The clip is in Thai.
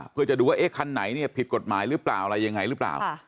เพื่อจะดูว่าคันไหนผิดกรดหมายหรือเปล่า